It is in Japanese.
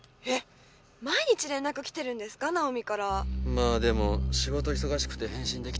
まあでも仕事忙しくて返信できてないけど。